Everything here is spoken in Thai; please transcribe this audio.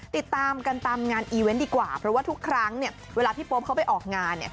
ติดตามกันตามงานอีเวนต์ดีกว่าเพราะว่าทุกครั้งเวลาพี่โป๊ปเขาไปออกงาน